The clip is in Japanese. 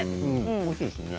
おいしいですね。